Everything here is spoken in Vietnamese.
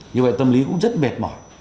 như vậy tâm lý cũng rất mệt mỏi